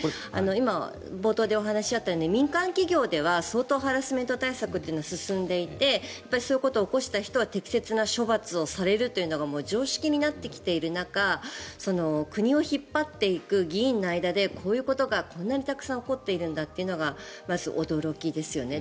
今、冒頭でお話があったように民間企業では相当ハラスメント対策というのは進んでいてそういうことを起こした人は適切な処罰をされることがもう常識になってきている中国を引っ張っていく議員の間でこういうことがこんなにたくさん起こっているんだというのがまず、驚きですよね。